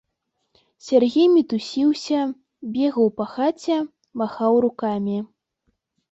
Сяргей мітусіўся, бегаў па хаце, махаў рукамі.